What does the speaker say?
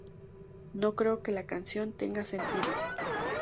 No creo que la canción tenga sentido.